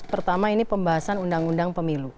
pertama ini pembahasan undang undang pemilu